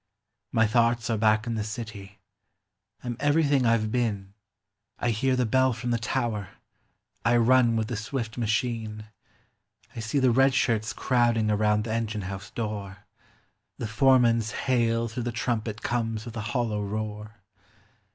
My thoughts are back in the city, I mi everything I 've been ;[ hear the bell from the tower, I vim with the swift machine, [ see the red shirts crowding around the engine* house door, The foreman's hail through the trumpet comes with a hollow roar.